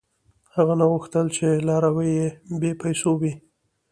• هغه نه غوښتل، چې لاروي یې بېپېسو وي.